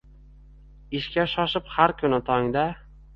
Ishga shoshib har kuni tongda